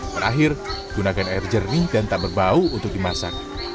terakhir gunakan air jernih dan tak berbau untuk dimasak